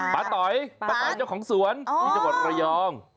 ต๋อยป้าต๋อยเจ้าของสวนที่จังหวัดระยอง